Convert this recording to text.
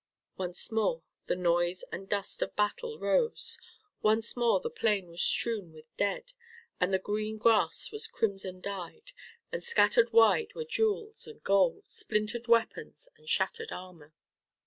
Once more the noise and dust of battle rose. Once more the plain was strewn with dead, and the green grass was crimson dyed, and scattered wide were jewels and gold, splintered weapons, and shattered armor.